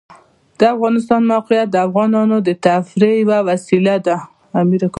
د افغانستان د موقعیت د افغانانو د تفریح یوه وسیله ده.